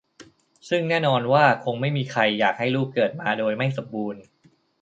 ซึ่งแน่นอนว่าคงไม่มีใครอยากให้ลูกเกิดมาโดยไม่สมบูรณ์